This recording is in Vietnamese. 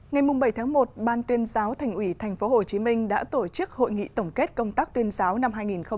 ngày bảy tháng một ban tuyên giáo thành ủy tp hcm đã tổ chức hội nghị tổng kết công tác tuyên giáo năm hai nghìn một mươi chín